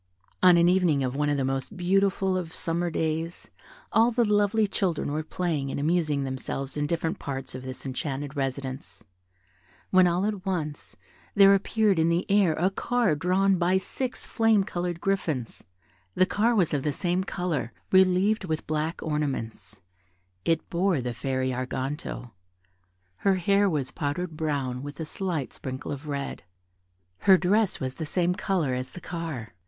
On an evening of one of the most beautiful of summer days, all the lovely children were playing and amusing themselves in different parts of this enchanted residence, when all at once there appeared in the air a car drawn by six flame coloured griffins: the car was of the same colour, relieved with black ornaments: it bore the Fairy Arganto. Her hair was powdered brown with a slight sprinkle of red. Her dress was of the same colour as the car.